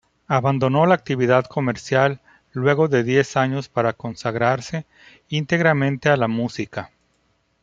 Abandonó la actividad comercial luego de diez años para consagrarse íntegramente a la música.